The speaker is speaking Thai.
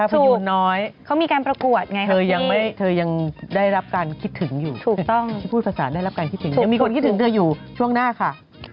พูดภาษาได้รับการคิดถึงยังมีคนคิดถึงเวลาอยู่ช่วงหน้าค่ะ